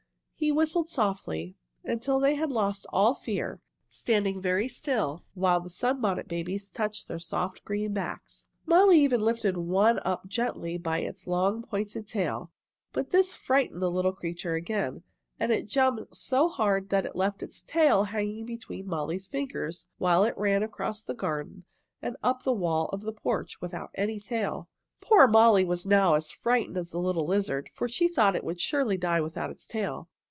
He whistled softly, until they had lost all fear, standing very still while the Sunbonnet Babies touched their soft, green backs. Molly even lifted one up gently by its long pointed tail. But this frightened the little creature again, and it jumped so hard it left its tail hanging between Molly's fingers, while it ran across the garden and up the wall of the porch, without any tail. [Illustration: Molly lifted up a little lizard very gently by its long pointed tail] Poor Molly was now as frightened as the little lizard, for she thought it would surely die without its tail.